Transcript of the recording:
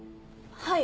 はい。